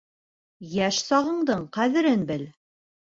Йәш сағыңдың ҡәҙерен бел.